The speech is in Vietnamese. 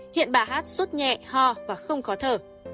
hiện bà hát suốt nhẹ ho và không khó thở